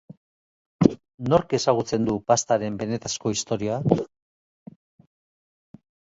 Nork ezagutzen du pastaren benetazko historia?